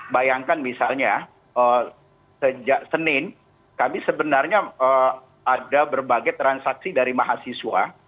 bayangkan misalnya sejak senin kami sebenarnya ada berbagai transaksi dari mahasiswa